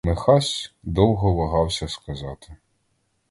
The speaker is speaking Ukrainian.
Михась довго вагався сказати.